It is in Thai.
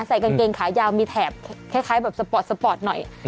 ใส่กางเกงขายาวมีแถบคล้ายแบบสปอร์ตสปอร์ตหน่อย